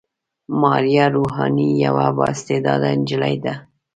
ماريه روحاني يوه با استعداده نجلۍ ده.